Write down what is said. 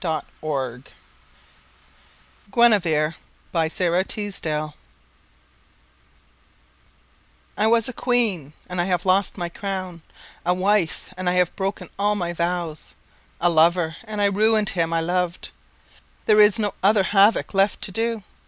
com GUENEVERE by SARA TEASDALE I was a queen, and I have lost my crown; A wife, and I have broken all my vows; A lover, and I ruined him I loved: There is no other havoc left to do.